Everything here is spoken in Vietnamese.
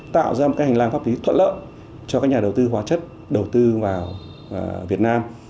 tạo ra một cái hành lang pháp lý thuận lợi cho các nhà đầu tư hóa chất đầu tư vào việt nam